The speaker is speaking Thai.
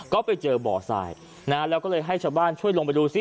ก็ไปเจอบ่อทรายนะฮะแล้วก็เลยให้ชาวบ้านช่วยลงไปดูซิ